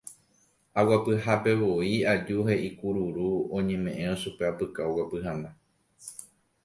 Aguapyhápevoi aju he'i kururu oñeme'ẽrõ chupe apyka oguapy hag̃ua